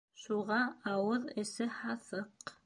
Шуға ауыҙ эсе һаҫыҡ.